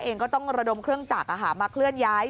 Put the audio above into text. เองก็ต้องระดมเครื่องจักรมาเคลื่อนย้าย